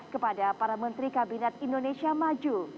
kepada para menteri kabinet indonesia maju